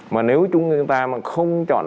mà nếu chúng ta không chọn